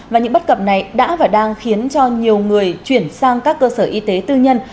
và những bất cập này đã và đang khiến cho nhiều người chuyển sang các cơ sở y tế tư nhân